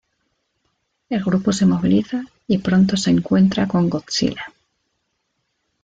El grupo se moviliza y pronto se encuentra con Godzilla.